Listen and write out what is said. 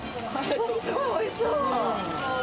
すごい、おいしそう。